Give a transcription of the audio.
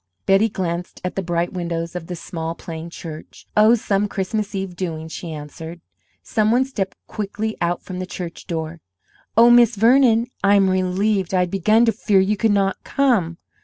Betty glanced at the bright windows of the small plain church. "Oh, some Christmas eve doings," she answered. Some one stepped quickly out from the church door. "Oh, Miss Vernon, I am relieved! I had begun to fear you could not come."